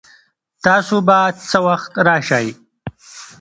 تاسو به څه وخت راشئ؟